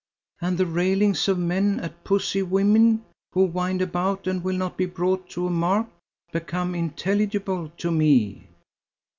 "And the railings of men at pussy women who wind about and will not be brought to a mark, become intelligible to me."